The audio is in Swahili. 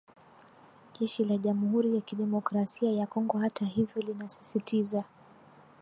Jeshi la Jamuhuri ya Kidemokrasia ya Kongo hata hivyo linasisitiza